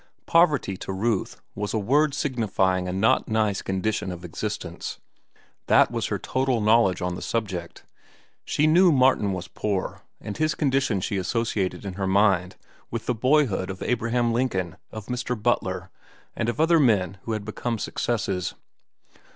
Poverty, to Ruth, was a word signifying a not nice condition of existence. That was her total knowledge on the subject. She knew Martin was poor, and his condition she associated in her mind with the boyhood of Abraham Lincoln, of Mr. Butler, and of other men who had become successes.